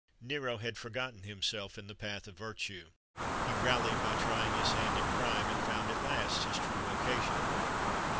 Nero had forgotten himself in the path of virtue; he rallied by trying his hand at crime, and found at last his true vocation.